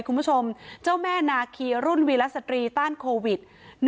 คุณผู้ชมเจ้าแม่นาคีรุ่นวีรสตรีต้านโควิด๑๙